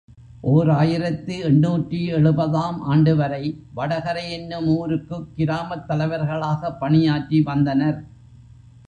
ஓர் ஆயிரத்து எண்ணூற்று எழுபது ஆம் ஆண்டுவரை, வடகரை என்னும் ஊருக்குக் கிராமத் தலைவர்களாகப் பணியாற்றி வந்தனர்.